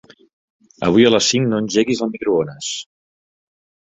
Avui a les cinc no engeguis el microones.